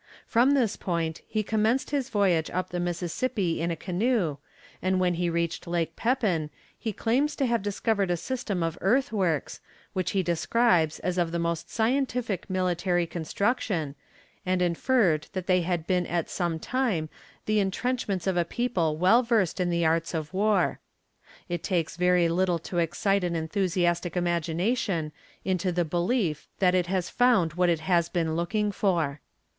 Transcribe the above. From this point he commenced his voyage up the Mississippi in a canoe, and when he reached Lake Pepin he claims to have discovered a system of earthworks, which he describes as of the most scientific military construction, and inferred that they had been at some time the intrenchments of a people well versed in the arts of war. It takes very little to excite an enthusiastic imagination into the belief that it has found what it has been looking for.